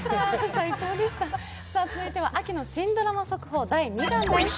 続いては、秋の新ドラマ速報第２弾です。